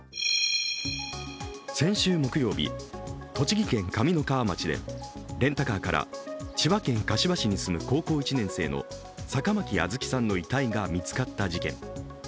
先週木曜日、栃木県上三川町でレンタカーから千葉県柏市に住む高校１年生の坂巻杏月さんの遺体が見つかった事件。